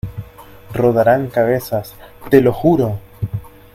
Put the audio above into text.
Rodarán cabezas, ¡te lo juro!